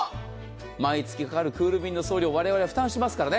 毎月かかるクール便の送料われわれが負担しますからね。